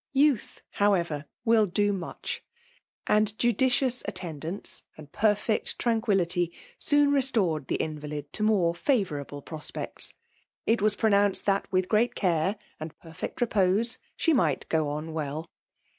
Youth, however, wfll do much; and judi cious attendance and perfect tranquillity soon restored the invalid to more favourable pro spects ; it was pronounced that, with great care, and perfect repose, she might go on well.